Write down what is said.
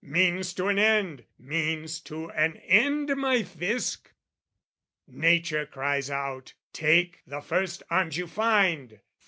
Means to an end, means to an end, my Fisc! Nature cries out "Take the first arms you find!"